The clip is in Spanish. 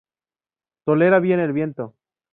Tolera bien el viento.